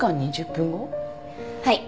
はい。